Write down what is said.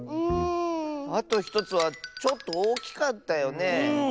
あと１つはちょっとおおきかったよね。